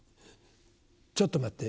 ちょっと待って。